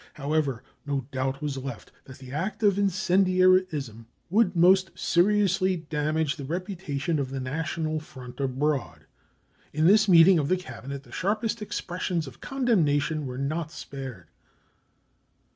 However, no doubt was left that the act of incendiarism would most seriously damage the reputation of the national front abroad. In this meeting of the Cabinet the sharpest expressions of condemnation, were not spared.